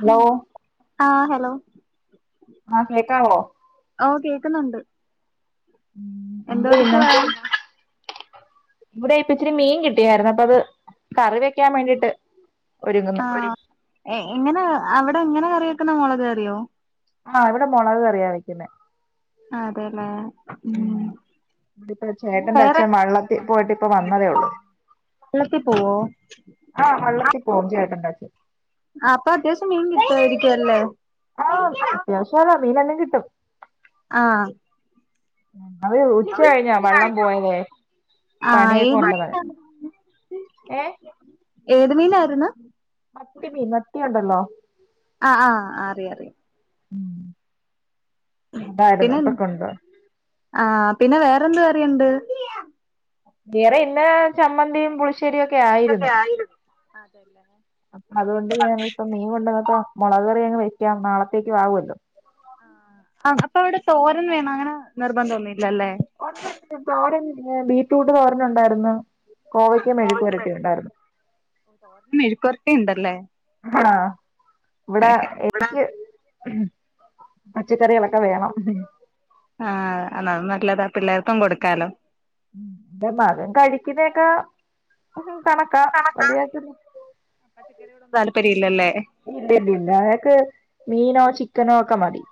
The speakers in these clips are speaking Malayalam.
ഹലോ ആഹ് ഹലോ ആ കേക്കാവോ? ഓഹ് കേക്കുന്നൊണ്ട്. ഉം എന്ത് എന്തോടുക്കുവാ ഇവിടെയിപ്പ ഇച്ചിരി മീൻ കിട്ടിയായിരുന്നു അപ്പം അത് കറി വെക്കാൻ വേണ്ടീട്ട് ആഹ് എഹ് എങ്ങനെ അവിടെങ്ങനെ കറി വെയ്ക്കുന്ന മുളക് കറിയോ ആഹ് ഇവിടെ മുളകുകറിയാ വെയ്ക്കുന്നെ ആഹ് അതെല്ലേ ഉം ഇതിപ്പോ ചേട്ടന്റെ വേറെ അച്ഛൻ വള്ളത്തി പോയിട്ട് ഇപ്പ വന്നതേ ഉള്ളൂ വീട്ടീ പോവോ പോം ചേട്ടന്റച്ഛൻ ആഹ് അപ്പത്യാവശ്യം മീൻ കിട്ടുവായിരിക്കുവല്ലേ മോശല്ല മീനെല്ലാം കിട്ടും ആഹ് ഞങ്ങള് ഉച്ച കഴിഞ്ഞാ വെള്ളം പോയതേ ആഹ് പണിയൊക്കെ ഏത് ഉണ്ടതാനും ഏഹ് ഏത് മീനായിരുന്നു? മത്തി മീൻ മത്തി ഉണ്ടല്ലോ അഹ് ആഹ് അറിയാം അറിയാം ഉം പിന്നെ അതായിരുന്നട്ടു കൊണ്ട് ആഹ് പിന്നെ വേറെന്ത് കറിയുണ്ട് വറെ ഇന്ന ചമ്മന്തിയും പുളിശ്ശേ ശരിയൊക്കെ ആയിരുന്നു അപ്പം അതുകൊണ്ട് ഞാനിപ്പം മീൻ കൊണ്ടുവന്നപ്പോ മുളകുകറി അങ്ങ് വെക്കാം നാളത്തേക്കും ആകുവല്ലോ ആഹ് അപ്പൊ അവിടെ തോരൻ വേണം അങ്ങനെ നിർബന്ധം ഒന്നും ഇല്ലല്ലേ ഒണ്ടൊണ്ട് തോരൻ ബീറ്റ്റൂട്ട് ഏഹ് തോരനൊണ്ടായിരുന്ന് കോവക്ക മെഴുക്ക്പെരട്ടിയത് ണ്ടായിരുന്നു ന്നേ ആഹ് ഇവിടെ ഇ എനിക്ക് ഊഹ് പച്ചക്കറികളൊക്കെ വേണം ഊഹ് ആ അത് നല്ലതാ പിള്ളേർക്കും കൊടുക്കാലോ ഉം ന്റെ മകൻ കഴിക്കിന്നേക്കാ ഉം കണക്കാ വല്ലിയായിറ്റൊന്നും താല്പര്യം ഇല്ലല്ലേ ഇല്ലില്ലില്ല അയാക്ക് മീനോ ചിക്കനോ ഒക്കെ മതി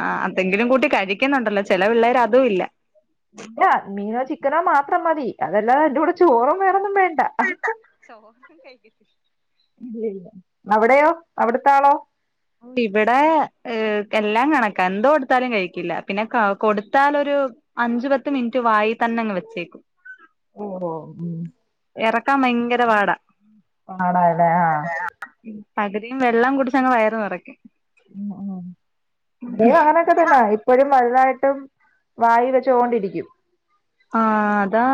ആഹ് അതെങ്കിലും കൂട്ടി കഴിക്കുന്നുണ്ടല്ലോ ചില പിള്ളേർ അതും ഇല്ല അല്ലാ മീനോ ചിക്കനോ മാത്രം മതി അതെല്ലാതെ അയിൻ്റൂടെ ചോറും വേറെന്നും വേണ്ട ചോസും [unintelligible] ഇല്ലില്ല അവിടെയോ അവിടത്താളോ ഇവിടെ ഏഹ് എല്ലാം കണക്കാ എന്ത്‌ കൊടുത്താലും കഴിക്കില്ല പിന്നെ കൗ കൊടുത്താലൊരു അഞ്ചു പത്ത് മിനിറ്റ് വായി തന്നെ അങ്ങ് വെച്ചേക്കും ഓഹോ ഉം എറക്കാൻ ഭയങ്കര പാടാ പാടാല്ലേ ആഹ് പകുതിയും വെള്ളം കുടിച്ചങ്ങ് വയറ് നിറക്കും ഉം ഉം ഇവിടെയും അങ്ങാനൊക്കെ തന്ന ഇ ഇപ്പഴും വലുതായിട്ടും വായി വെച്ചോണ്ടിരിക്കും ആഹ് അതാ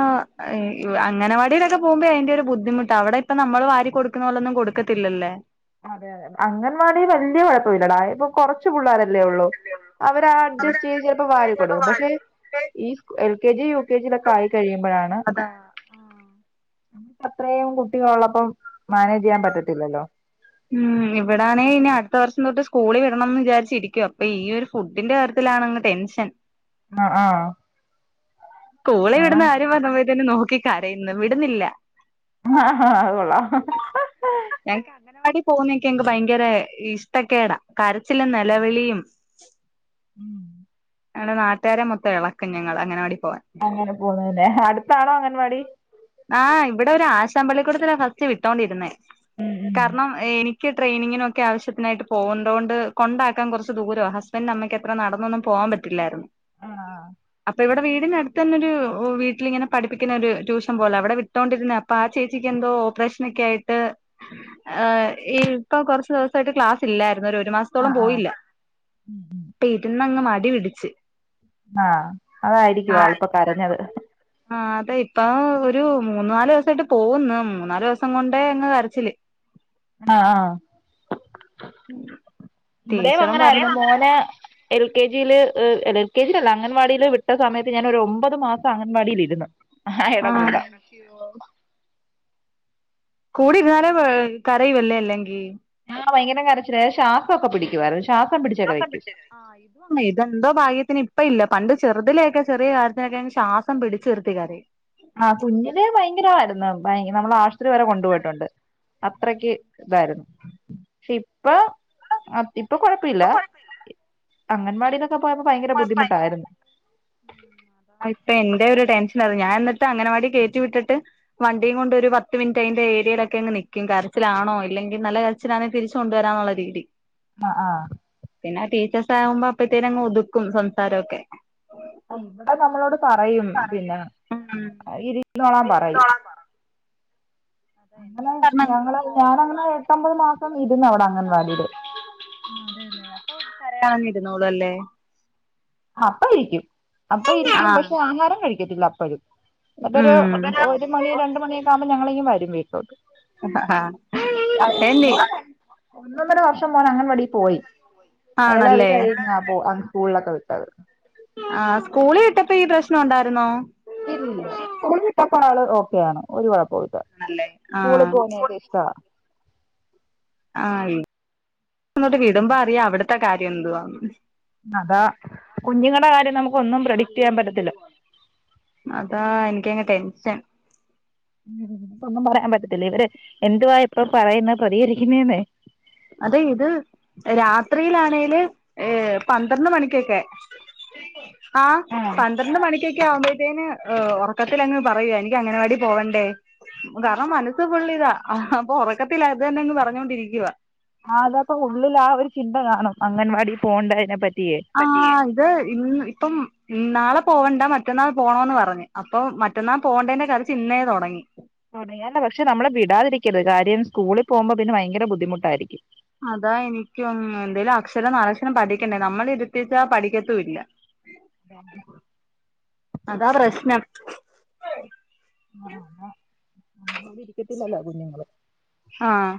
ഈ അങ്ങനവാടിയിലൊക്കെ പോകുമ്പേ അതിന്റെ ഒരു ബുദ്ധിമുട്ട് അവിടെ പ്പം നമ്മള് വാരി കൊടുക്കുന്നോലൊന്നും കൊടുക്കത്തില്ലല്ലേ അതെ അതെ അംഗൻവാടീല് വല്ലിയ കൊഴപ്പൊല്ലിടാ യിപ്പം കൊറച്ച് പുള്ളാരെല്ലേ ഒള്ളൂ അവരാ അഡ്ജസ്റ്റ് ചെയ്ത് ചിലപ്പോ വാരി കൊടുക്കും പക്ഷെ ഈ എൽ കെ ജി യൂ കെജിലൊക്കെ ആയി കഴിയുമ്പഴാണ് അതാ അത്രയും കുട്ടികളൊള്ളപ്പം മാനേജ് ചെയ്യാൻ പറ്റത്തില്ലല്ലോ ഉം. ഇവിടാണേ ഇനി അടുത്ത വർഷം തൊട്ട് സ്കൂളീ വിടണംന്ന് വിചാരിച്ചിരിക്ക അപ്പൊ ഈ ഒരു ഫുഡിന്റെ കാര്യത്തിലാണ് ടെൻഷൻ [inaudible] അഹ് ആഹ് സ്കൂളി വിടുന്ന കാര്യം പറഞ്ഞപ്പോഴത്തേനും നോക്കി കരയുന്നു വിടുന്നില്ല. ആഹ് ആഹ് അതുകൊള്ളാം ഞങ്ങക്ക് അംഗനവാടി പോകുന്നക്കെ ഞങ്ങക്ക് ഭയങ്കര ഇഷ്ടക്കേടാ കരച്ചിലും ഇഷ്ടല്ല. നിലവിളിയും ഉം ഞങ്ങടെ നാട്ടുകാരെ മൊത്തം ഇളക്കും ഞങ്ങള് അങ്ങനവാടിൽ പോവാൻ അങ്ങനെ പോവുന്നുല്ലെ അടുത്താണോ അംഗൻവാടി ആഹ് ഇവിടെ ഒരു ആശാൻ പള്ളിക്കൂടത്തിലാ ഫസ്റ്റ് വിട്ടോണ്ടിരുന്നേ. ഉം ഉം കാരണം എനി ക്ക് ട്രെയിനിങ്ങിനൊക്കെ ആവശ്യത്തിനായിട്ട് പോവണ്ടോണ്ട് കൊണ്ടാക്കാൻ കൊറച്ച് ദൂരാ ഹസ്ബൻന്റിന്റെമ്മക്കത്രെ നടന്നൊന്നും പോവാൻ പ [unintelligible] ആണോ അപ്പൊ ഇവിടെ വീടിനടുത്ത് തന്നെ ഒരു വീട്ടിലിങ്ങനെ പഠിപ്പിക്കുന്ന ഒരു ട്യൂഷ ഇഷ്ട്ടംപോലാ അവിടെ വിട്ടോണ്ടിരുന്നതാ അപ്പൊ ആ ചേച്ചിക്ക് എന്തോ ഓപ്പറേഷൻ ഒക്കെ ആയിട്ട് ആഹ് ഇഹ് ഇപ്പൊ കുറച്ചു ദിവസായിട്ട് ക്ലാസ്സില്ലായിരുന്നു ഒരൊരു മാ ആ ആ ത്തോളം ആ പോയില്ല ഉം ഉം. പ്പിരുന്നങ്ങ് മടി പിടിച്ച് ആ അതായിരിക്കും ആഹ് അവളിപ്പ കരഞ്ഞത് ആഹ് അതെ ഇപ്പം ഒരു മൂന്നു നാല് ദിവസമായിട്ട് പോകുന്നു മൂന്നു നാല് ദിവസം കൊണ്ടേ അങ്ങ് കരച്ചില് ആഹ് ആഹ് ഇവിടെ ടീച്ചറും പറഞ്ഞു അങ്ങനായിരുന്നു മോനെ എൽ കെ ജിയില് ഏഹ് ല്ല എൽ കെ ജീലല്ല അംഗൻവാടീല് വിട്ട സമയത്ത് ഞാൻ ഒരു ഒമ്പത് മാസം അംഗൻവാടീലിരിന്നു ആഹ് [unintelligible] കൂടി ഇര്ന്നാല് [unintelligible] കൊഴ് കരയുല്ലേ അല്ലെങ്കീ? ആഹ് ഭയങ്കര കരച്ചിലാ ശ്വാസൊക്കെ പിടിക്കുവായിരുന്ന് ശ്വാസം പിടി [unintelligible] ആഹ് ഇതുവാ ഇതെന്തോ ഭാഗ്യത്തിന് ഇപ്പം ഇല്ല പണ്ട് ചെറുതിലേയൊക്കെ ചെറിയ കാര്യത്തിനൊക്കെ അങ്ങ് ശ്വാസം പിടിച്ചു നിറുത്തി കരയും. ആഹ് കുഞ്ഞിന് ഭയങ്കരാരുന്നുഭയ നമ്മള് ആശുപത്രി വരെ കൊണ്ടുപോയിട്ടുണ്ട് അത്രക്ക് ഇതാരുന്നു പക്ഷെ ഇപ്പൊ അഹ് ഇപ്പൊ കൊഴപ്പമില്ല ഇഹ് അംഗൻവാടിയിലൊക്കെ പോയപ്പ ഭയങ്കര ബുദ്ധിമുട്ടായിരുന്ന്. ആഹ് ഇപ്പ എന്റെ ഒരു ടെൻഷൻ അതാ ഞാൻ എന്നിട്ട് അങ്ങനവാടി കേറ്റി വിട്ടിട്ട് വണ്ടിയും കൊണ്ട് ഒരു പത്ത് മിനിറ്റ് അതിന്റെ ഏരിയയിലൊക്കെ അങ്ങ് നിക്കും കരച്ചിലാണോ ഇല്ലെങ്കിൽ നല്ല അച്ഛനാണെ തിരിച്ചു കൊണ്ടുവരാന്നുള്ള രീതി ആഹ് ആഹ് പിന്നെ ടീച്ചേഴ്സ് ആവുമ്പോ അപ്പത്തേന് അങ്ങ് ഒതുക്കും സംസാരൊക്കെ ഇവിടെ നമ്മളോട് പറയും പിന്നെ ഉം ഇരുന്നോളാൻ പറയും അതെ എന്നോട് പറഞ്ഞങ്ങു പൊക്കോ നാലു ത്തൊമ്പത് മാസം ഇരുന്നവിടെ അംഗൻവാടീല് അതെയല്ലെ അപ്പൊ കരയാതെ ഇരുന്നോളും അല്ലേ അപ്പ ഇരിക്കും അപ്പ ഇരിക്കും ആഹ് പക്ഷെ ആഹാരം കഴിക്കത്തില്ലപ്പഴും ന്നിട്ടൊരു ഉം ഒരു മണീ രണ്ട് മണിയൊക്കെ ആവുമ്പോ ഞങ്ങളിങ്ങ് വരും വീട്ടിലോട്ട് ആഹ് എന്തി മോനെ ഒന്നൊന്നര വർഷം മോനന് അംഗൻവാടീ പോയി അയാൾ അത് ആണല്ലേ കഴിഞ്ഞാ പ്പോ അ സ്കൂളിലൊക്കെ വിട്ടത് ആഹ് സ്കൂളി വിട്ടപ്പോ ഈ പ്രശ്നം ഒണ്ടായിരുന്നോ ഇല്ല സ്കൂളിൽ പോകാൻ ആള് ഓക്കെയാണ് ഒരു കൊഴപ്പവും ഇല്ല. സ്കൂളിൽ ആഹ് പോകുന്നതൊക്കെ ഇഷ് [unintelligible] ആഹ് ഇവി ന്നട് വിടുമ്പോ അറിയാ അവിട്ത്തെ കാര്യം എന്തുവാന്ന് അതാ കുഞ്ഞുങ്ങടെ കാര്യം നമുക്ക് ഒന്നും പ്രഡിക്ട് ചെയ്യാൻ പറ്റത്തില്ല അതാ എനിക്കങ്ങ് ടെൻഷൻ ഉം ഇപ്പോന്നും പറയാൻ പറ്റത്തില്ല ഇവര് എന്തുവാ എപ്പോപറയുന്നെ പ്രതികരിക്കുന്നേന്നേ. അതെ ഇത് രാത്രിയിലാണേല് ഏഹ് പന്ത്രണ്ട് മണിക്കൊക്കെ. ആ ആഹ് പന്ത്രണ്ട് മണിക്കൊക്കെ ആവുമ്പോത്തേന്. ഹ് ഒറക്കത്തിലങ്ങ് പറയാ എനിക്ക് അങ്ങനവാടി പോവണ്ടേ കാരണം മന പ്പൊ ഫുള്ളിതാ ഹ് ഒറക്കത്തില് അതന്നെങ്ങ് പറഞ്ഞൊണ്ടിരിക്കുവാ. ആഹ് അതാപ്പൊ ഉള്ളിൽ ആ ഒരു ചിന്ത കാണും അംഗൻവാടി പോവേണ്ടതിനെ പറ്റിയേ. ആഹ ഇത് ഇന്ന് ഇപ്പം ന്നാളെ പോവണ്ട മറ്റന്നാൾ പോണംന്ന് പറഞ്ഞ് അപ്പൊ മറ്റന്നാൾ പോകണ്ടേന്റെ കരച്ചിൽ ന്നേ തൊടങ്ങി. ണിയേണ്ട പക്ഷെ നമ്മള് വിടാതിരിക്കരുത് കാര്യം സ്കൂളിപോവുമ്പോ പിന്നെ വയങ്കര ബുദ്ധിമുട്ടായിരിക്കും. അതാ എനിക്കും എന്തേലും അക്ഷരം നാലക്ഷരം പഠിക്കണ്ടേ നമ്മള് ഇരുത്തിച്ചാ പഠിക്കത്തുംല്ല. [unintelligible] അതാ പ്രശ്നം. ആഹ് ന്നാ നമ്മുടെ കൂടെ ഇരിക്കത്തില്ലല്ലോ കുഞ്ഞുങ്ങള്. ആഹ്.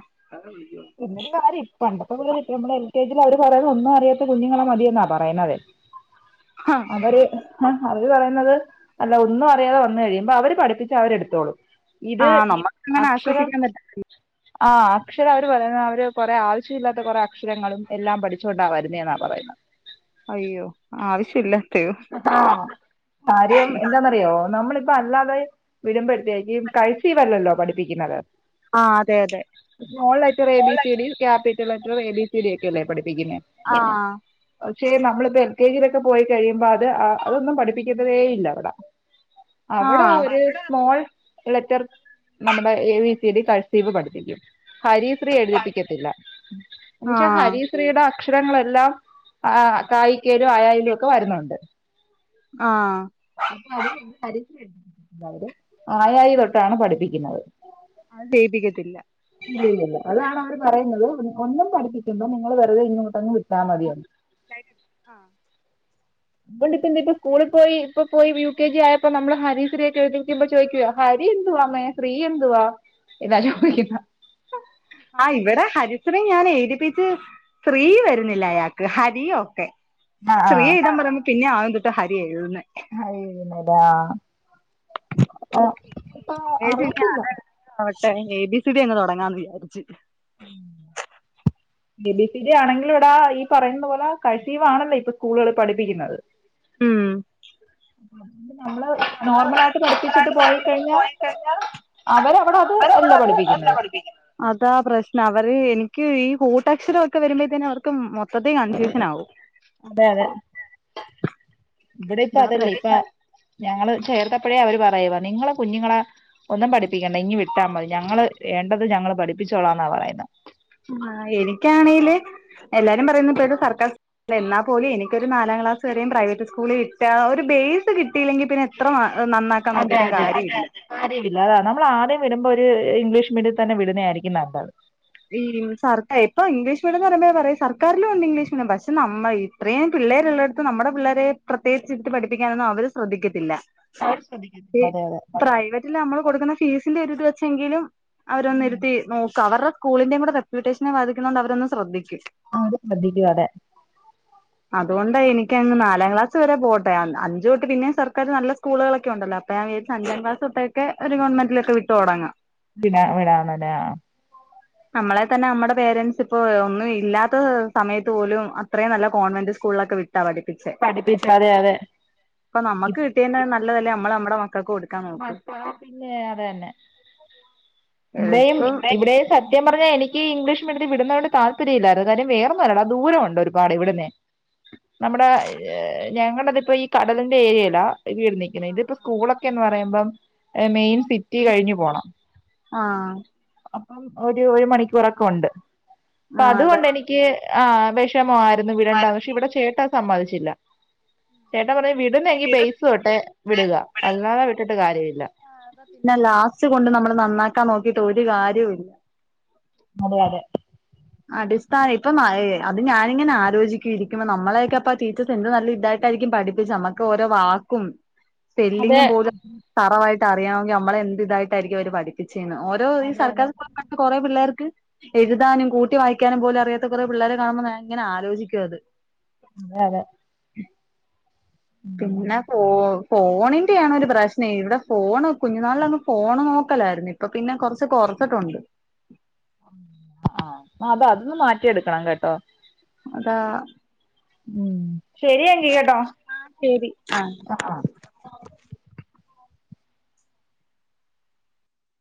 ഇന്നൊരു കാര്യം പണ്ടത്തെ. [unintelligible] റ്റേജിൽ അവര് പറയുന്നത് ഒന്നും അറിയാത്ത കുഞ്ഞുങ്ങളെ മതിയെന്നാ പറയുന്നതെ ഹ അവര്. ഹരി പറയുന്നത് അല്ല ഒന്നും അറിയാതെ വന്നു കഴിയുമ്പോ അവര് പഠിപ്പിച്ച അവര് എടുത്തോളും. ഇത് ആഹ് നമ്മക്ക് അങ്ങനെ അക്ഷരം ആശ്വസിക്കാൻ പറ്റ ആഹ അക്ഷര എന്നട്ട് പറയുന്ന അവര് കൊറെ ആവശ്യല്ലാത്ത കുറെ അക്ഷരങ്ങളും എല്ലാം പഠിച്ചുകൊണ്ടാ വരുന്നേ എന്നാ പറയുന്നത് അയ്യോ ആവശ്യല്ല. ആഹ് കാര്യം എന്താന്ന അയോ നമ്മളിപ്പ അല്ലാതെ വിടുമ്പഴത്തേക്ക് കെഎസ് ബ് വല്ലല്ലോ പഠിപ്പിക്കുന്നത്. ആഹ് അതെ അതെ small letter A B C D capital letter A B C D ഒക്കെയല്ലേ പഠിപ്പിക്കുന്നേ. ആഹ്. പക്ഷെ നമ്മളിപ്പോ എൽ കെ ജിയിലൊക്കെ പോയി കഴിയുമ്പോ അത് അതൊന്നും പഠിപ്പിക്കുത്തതേ യില്ല അവടെ. അവിടെ ആഹ് അവര് സ്മോൾ ലെറ്റർ നമ്മുടെ A V C D cursive പഠിപ്പിക്കും. ഹരീസ്രീ എഴുതിപ്പിക്കത്തില്ല ന്നുവെച്ച ആഹ് ഹരീ. സ്ത്രീടെ അക്ഷരങ്ങളെല്ലാം ആഹ് കായിക്കെലും ആയയിലും ഒക്കെ വരുന്നുണ്ട്. ആഹ്. അപ്പൊ [unintelligible] തായ ത് ആയായി തൊട്ടാണ് പഠിപ്പിക്കുന്നത്. അവൻ ജെയ്പികതില്ല. ഇല്ലല്ലല്ല അതാണ് അവര് പറയുന്നത് ഒന്നും പഠിപ്പിക്കണ്ട നിങ്ങള് വെറുതെ ഇങ്ങോട്ടങ്ങ് വിട്ടാമതിയെന്ന്. [unintelligible] ആഹ്. ബണ്ടിപ്പോ ഇപ്പോ സ്കൂളി പോയി ഇപ്പ പോയി യു കെ ജി ആയപ്പോ നമ്മള് ഹരീശ്രീയൊക്കെ എഴുതിക്കുമ്പോ ചോദിക്കുവാ. ഹരി എന്തുവാമ്മേ ശ്രീഎന്തുവാ എന്നാ ചോദിക്കുന്നെ. ആ ഇവിടെ ഹരിസ്രി ഞാൻ ഏതിപ്പിച്ച്. ശ്രീവരുന്നില്ല അയാൾക്ക് ഹരി ഒക്കെ. ആഹ് ശ്രീ ആഹ് എഴുതാൻ പറയുമ്പോ പിന്നെ ആദ്യം തൊട്ട് ഹരി എഴുതുന്നേ. [unintelligible] അവർക്കിപ്പ അറിയത്തില്ല [unintelligible] ആവട്ടെ എ ബി സി ഡി അങ്ങ് തുടങ്ങാന്ന് വിചാരിച്ച്. [inaudible] എ ബി സി ഡി ആണെങ്കിലും എടാ ഈ പറയുന്ന പോലെ [unintelligible] ആണല്ലോ ഇപ്പ സ്കൂളുകളിൽ പഠിപ്പിക്കുന്നത്. ഉം. നമ്മള് നോർമലായിട്ട് പഠിപ്പിച്ചിട്ട് പോയിക്കഴിഞ്ഞാ അവരവിടെ അത് അല്ല പഠിപ്പിക്കുന്നത്. അതാ പ്രശ്നം അവര് എനിക്ക് ഈ കൂട്ടക്ഷരൊക്കെ വരുമ്പോഴ്തേന് അവർക്ക് മൊത്തത്തീ കൺഫ്യൂഷൻ ആവും. അതെ അതെ ഇവിടെ ഇപ്പൊ ഇതാ അതല്ല പ്രശ്നം ഇപ്പൊ. ഞങ്ങള് ചേർത്തപ്പഴേ അവര് പറയുവ നിങ്ങളെ കുഞ്ഞുങ്ങളെ. ഒന്നും പഠിപ്പിക്കണ്ട ഇങ്ങ് വിട്ടാ മതി ഞങ്ങള് വേണ്ടത് ഞങ്ങള് പഠിപ്പിച്ചോളാന്നാ പറയുന്നെ. ഉം ആ എനിക്കാണേല് എല്ലാരും പറയുന്നപ്പോത് സർക്കാർ. ല്ല എന്നാ പോലും എനിക്കൊരു നാലാം ക്ലാസ് വരേം പ്രൈവറ്റ് സ്കൂള് കിട്ടാ ഒരു ബേസ് കിട്ടയില്ലെങ്കിൽ പിന്നെ. അത്ര എ നന്നാ. അതെ അതെ. കാര്ല്ല്യ അതാണ് നമ്മൾ ആദ്യം വിടുമ്പോ ഒരു ഇംഗ്ലീഷ് മീഡിയത്തി തന്നെ വിടുന്നതായിരിക്കും നല്ലത്. ഈ സർക്ക ഇംഗ്ലീഷ് മീഡിയം ന്ന് പറയ്മ്പോ പറയും സർക്കാറിലും ണ്ട് ഇംഗ്ലീഷ് മീഡിയം പക്ഷെ നമ്മൾ ത്രേം പിള്ളേര്ള്ളട്ത്ത് നമ്മുടെ പിള്ളേരെ പ്രത്യേകിച്ചിരുത്തി പഠിപ്പിക്കാനൊന്നും അവര് സ്രദ്ധിക്കത്തി ല്ലാ. അവര് ശ്രദ്ധിക്കത്തില്ല അത് ഇപ്രൈവറ്റില് നമ്മൾ കൊടുക്കുന്ന ഫീസിന്റെ ഒരുത് വെച്ചെങ്കിലും. ഉം. അവരൊന്നിരുത്തി നോക്ക അവരുടെ സ്കൂളിന്റേം കൂടെ റെപ്യൂട്ടേഷനെ ബാധിക്കുന്നോണ്ട് അവരൊന്ന് സ്രദ്ധിക്കും. ആ അത് ശ്രദ്ധിക്കു അതെ. അതുകൊണ്ടാ എനിക്കങ്ങ് നാലാം ക്ലാസ് വരെ പോട്ടെ അഞ്ച് തൊട്ട് പിന്നെ സർക്കാര് നല്ല സ് സ്കൂളുകളൊക്കെ ഉണ്ടല്ല അപ്പ ഞ ജാര്ച്ച് അഞ്ചാം ക്ലാസൊക്കെ ഒരു ഗവൺമെന്റിലൊക്കെ വിട്ട് തൊടങ്ങാം. പിന്നെ വിടാണലാ. നമ്മളെ തന്നെ നമ്മടെ പേരന്റ്സ് പ്പോ ഒന്നും ഇല്ലാത്ത സമയത്ത് പോലും അത്രയും നല്ല കോൺവെന്റ്. സ്കളിലൊക്കെ വിട്ടാ പഠിപ്പി പഠിപ്പിച്ചു അതെ അതെ. അപ്പ നമക്ക് ഇപ് കിട്ടിയന്നെ നല്ലതല്ലേ നമ്മൾ നമ്മുടെ മക്കൾക്ക് കൊട്. മക്കളാ പിന്നെ അത് തന്നെ ഇവിടെയും ഇപ്പം ഇവിടെയും സ സത്യം പറഞ്ഞാ എനിക്ക് ഇംഗ്ലീഷ് മീഡിയത്തിൽ വിടുന്നോണ്ട് താല്പര്യയില്ലായിരുന്നു കാര്യം വേറൊന്നൊല്ലടാ ദൂരോണ്ട് ഒരുപാട് ഇവ്ട്ന്നേ നമ്മടെ ഹ് ഞങ്ങളതിപ്പോ ഈ കടലിന്റെ ഏരിയെലാ വീട് നിക്കുന്നെ ഇതിപ്പോ സ്കൂളൊക്കെ. റ്റിന്ന് പറയുമ്പോം എ മെയിൻ സിറ്റി കഴിഞ്ഞു പോണം. ആഹ്. അപ്പം ഒരു ഒരു മണിക്കൂറൊക്കെ ഉണ്ട് അപ്പ ആഹ് അതെ അതുകൊണ്ട് എനിക്ക് ആ വെ. ട്ടമായിരുന്നു വിടേണ്ടന്ന് പക്ഷെ ഇവിടെ ചേട്ടാ അത് സമ്മദിച്ചില്ല. ചേട്ടാ പറഞ്ഞു വിടുന്നെങ്കി ബെയസ് തൊട്ടെ വിടുക അല്ലാതെ വിട്ടിട്ട് കാര്യമില്ല. പിന്നെ ലാസ്റ്റ് കൊണ്ട് നമ്മള് നന്നാക്കാൻ നോക്കിട്ട് ഒരു കാര്യവുല്ല. അതെ അതെ. അടിസ്ഥാ ഇപ്പം ഏ അത് ഞാനിങ്ങനെ ആലോചിക്കു രിക്കുമ്പോ നമ്മളെയൊക്കെ അപ്പ ടീച്ചേ. എന്ത്‌ നല്ല ഇതായിട്ടായിരിക്കും പഠിപ്പിച്ച് നമ്മുക്ക് ഓരോ വാക്കും. അതെ അതെ സ്പെല്ലിങ്ങും പോലും തറവായിട്ട് അറിയാണമെങ്കിൽ നമ്മളെ എന്ത്‌ ഇതായിട്ടായിരിക്കും അവര് പഠി. ചെയ്യണം ഓരോ ഈ അതെ അതെ സർക്കാർ സ്കൂളിൽ പെട്ട കൊറെേ പിള്ളേർക്ക് എഴുതാനും കൂട്ടി കൂട്ടി വായിക്കാനു പോലും അറിയാത്ത കുറെേ പിള്ളേരെ കാണുമ്പോ ഞാൻ ഇങ്ങനെ ആലോചിക്കു അത്. അതെ അതെ. ഉം പിന്നെ ഫോ ഫോണിന്റെയാണ്ഒരു പ്രശ്നം ഇവിടെ ഫോണ് കുഞ്ഞു നാളിലങ്ങ് ഫോണ് നോക്കലായിരുന്നു. അപ്പൊ പിന്നെ കൊറ്ച്ച് ഉറക് കൊഉണ്ട്. [inaudible] ആഹ് അത അതൊന്ന് മാറ്റിയെടുക്കണം കേട്ടോ. അതാ. ഉം ശരി എങ്കീ കേട്ടോ ആ.